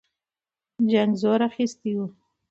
جنګ زور اخیستی وو.